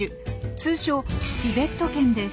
通称チベット犬です。